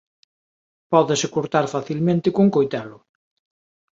Pódese cortar facilmente cun coitelo.